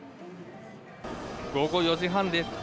午後４時半です。